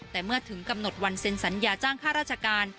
แต่เมื่อถึงกำหนดวันเซ็นสัญญาจ้างค่าราชการ